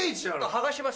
はがします。